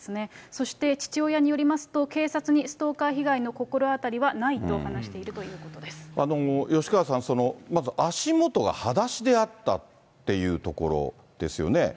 そして父親によりますと、警察にストーカー被害の心当たりはないと話しているということで吉川さん、まず足元がはだしであったっていうところですよね。